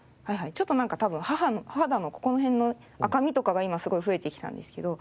ちょっとなんか多分肌のここら辺の赤みとかが今すごい増えてきたんですけど。